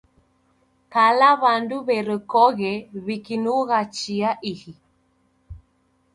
Kala w'andu w'erekoghe w'ikinugha chia ihi